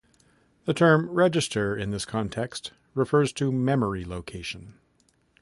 The term "register" in this context refers to "memory location".